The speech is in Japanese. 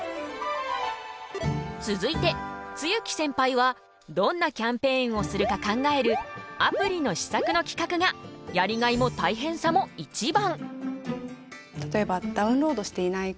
続いて露木センパイはどんなキャンペーンをするか考えるアプリの施策の企画がやりがいも大変さも一番！